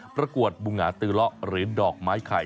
ประกวดบุหงาตือเลาะหรือดอกไม้ไข่